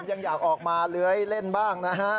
ยังอยากออกมาเลื้อยเล่นบ้างนะฮะ